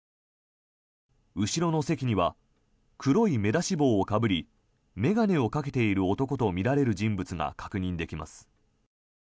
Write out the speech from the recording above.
後ろの席には黒い目出し帽をかぶり眼鏡をかけている男とみられる人物が確認できます。